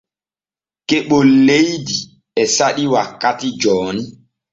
Keɓol leydi e saɗi wakkati jooni.